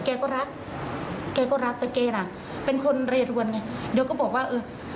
แกก็รักแกก็รักแต่แกน่ะเป็นคนเรดวนไงเดี๋ยวก็บอกว่าเออ